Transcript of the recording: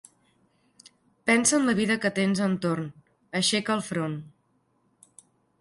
Pensa en la vida que tens entorn: aixeca el front.